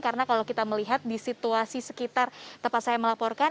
karena kalau kita melihat di situasi sekitar tempat saya melaporkan